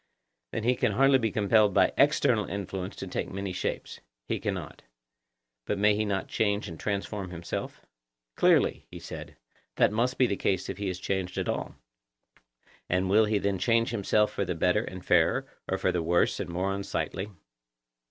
Then he can hardly be compelled by external influence to take many shapes? He cannot. But may he not change and transform himself? Clearly, he said, that must be the case if he is changed at all. And will he then change himself for the better and fairer, or for the worse and more unsightly?